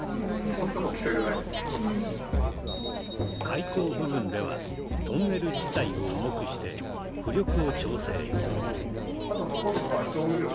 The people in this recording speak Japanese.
海溝部分ではトンネル自体を重くして浮力を調整。